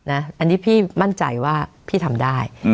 อันนี้พี่มั่นใจว่าพี่ทำได้